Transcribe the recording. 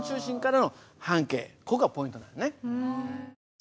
ここがポイントなんだね。